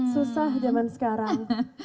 susah zaman sekarang